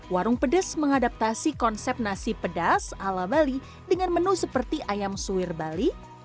warung pedes mengadaptasi konsep nasi pedas ala bali dengan menu seperti ayam suwir bali